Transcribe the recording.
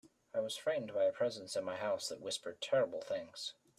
I was frightened by a presence in my house that whispered terrible things.